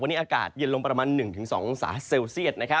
วันนี้อากาศเย็นลงประมาณ๑๒องศาเซลเซียต